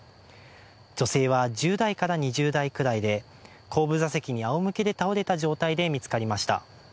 女性は１０代から２０代くらいで後部座席にあおむけで倒れた状態で見つかりました。